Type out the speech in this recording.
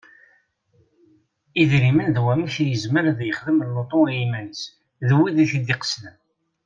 Idrimen d wamek i yezmer ad yexdem lutu i yiman-is d wid i t-id-iqesden.